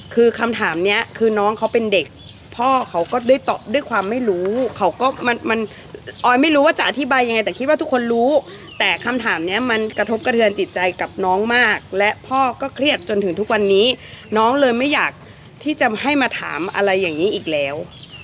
คือคำถามนี้คือน้องเขาเป็นเด็กพ่อเขาก็ด้วยด้วยความไม่รู้เขาก็มันออยไม่รู้ว่าจะอธิบายยังไงแต่คิดว่าทุกคนรู้แต่คำถามเนี้ยมันกระทบกระเทือนจิตใจกับน้องมากและพ่อก็เครียดจนถึงทุกวันนี้น้องเลยไม่อยากที่จะให้มาถามอะไรอย่างนี้อีกแล้ว